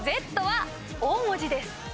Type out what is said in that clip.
Ｚは大文字です。